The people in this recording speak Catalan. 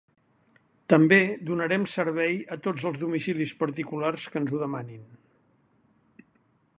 També donarem servei a tots els domicilis particulars que ens ho demanin.